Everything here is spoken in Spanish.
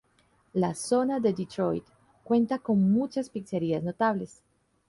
La zona de Detroit cuenta con muchas pizzerías notables.